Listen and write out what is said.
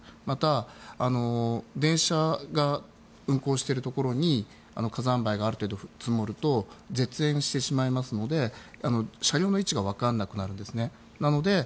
また電車が運行しているところに火山灰がある程度積もると絶縁してしまいますので車両の位置が分からなくなるんですね。